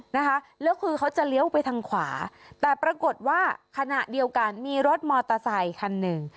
นะคะแล้วคือเขาจะเลี้ยวไปทางขวาแต่ปรากฏว่าขณะเดียวกันมีรถมอเตอร์ไซคันหนึ่ง